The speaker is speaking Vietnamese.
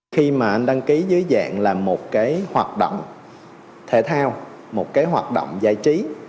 khi mà anh đăng ký dưới dạng là một cái hoạt động thể thao một cái hoạt động giải trí